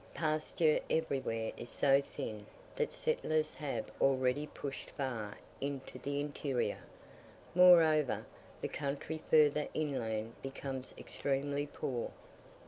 Pasture everywhere is so thin that settlers have already pushed far into the interior: moreover, the country further inland becomes extremely poor.